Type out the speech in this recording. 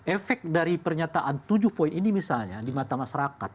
efek dari pernyataan tujuh poin ini misalnya di mata masyarakat